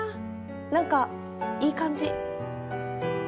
何かいい感じ。